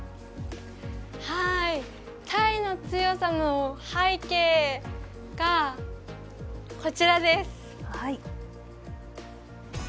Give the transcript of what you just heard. タイの強さの背景がこちらです。